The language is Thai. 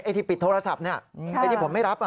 ไอ้ที่ปิดโทรศัพท์ไอ้ที่ผมไม่รับ